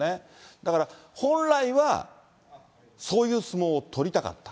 だから、本来はそういう相撲を取りたかった。